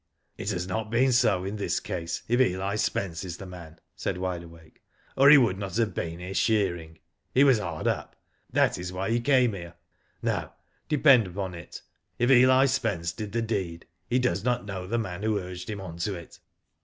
It has not been so in this case if Eli Spence is the man," said Wide Awake ;" or he would not have been here shearing. He was hard up. That is why he came here. No, depend upon it, if Eli Spence did the deed he does not know the man who urged him on to^ it.